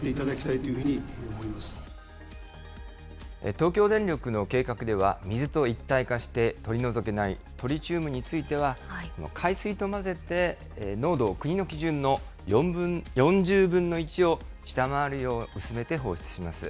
東京電力の計画では、水と一体化して取り除けないトリチウムについては、海水と混ぜて、濃度を国の基準の４０分の１を下回るよう薄めて放出します。